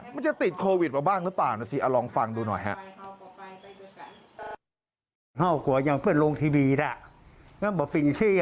มันจะติดโควิดมาบ้างหรือเปล่านะสิลองฟังดูหน่อยฮะ